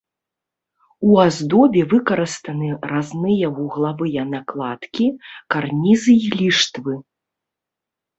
У аздобе выкарыстаны разныя вуглавыя накладкі, карнізы і ліштвы.